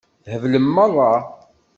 Theblem meṛṛa.